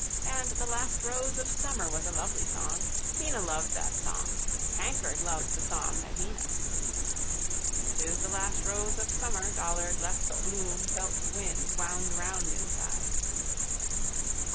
And The last rose of summer was a lovely song. Mina loved that song. Tankard loved the song that Mina. 'Tis the last rose of summer dollard left bloom felt wind wound round inside.